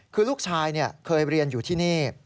คือลูกชายเคยเรียนอยู่ที่นี่